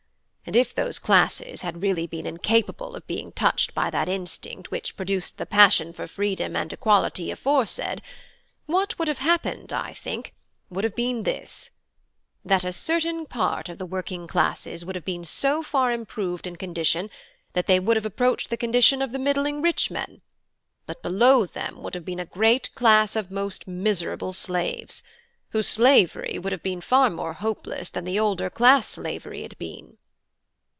And if those classes had really been incapable of being touched by that instinct which produced the passion for freedom and equality aforesaid, what would have happened, I think, would have been this: that a certain part of the working classes would have been so far improved in condition that they would have approached the condition of the middling rich men; but below them would have been a great class of most miserable slaves, whose slavery would have been far more hopeless than the older class slavery had been."